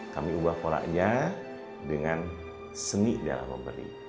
kami ubah polanya dengan seni dalam memberi